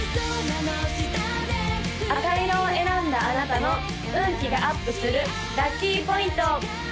赤色を選んだあなたの運気がアップするラッキーポイント！